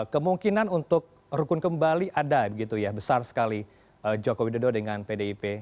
kemungkinan untuk rukun kembali ada gitu ya besar sekali jokowi dodo dengan bdip